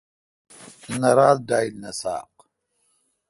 نہ رات ڈاییل نہ ساق۔